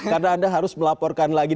karena anda harus melaporkan lagi